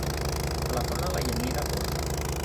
Telefona a la Yanira Borja.